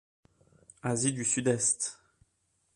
Asie du Sud-Est.